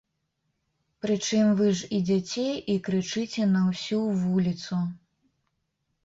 Прычым вы ж ідзяце і крычыце на ўсю вуліцу!